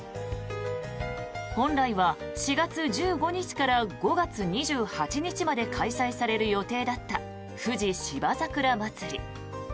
本来は４月１５日から５月２８日まで開催される予定だった富士芝桜まつり。